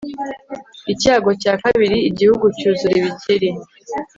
icyago cya kabiri igihugu cyuzura ibikeri